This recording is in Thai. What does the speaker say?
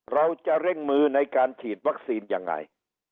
เราจะเร่งมือในการฉีดวัคซีนยังไง